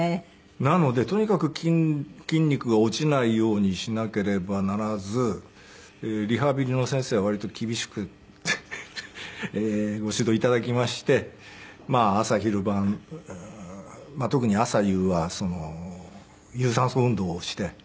なのでとにかく筋肉が落ちないようにしなければならずリハビリの先生は割と厳しくフフフご指導頂きまして朝昼晩特に朝夕は有酸素運動をして。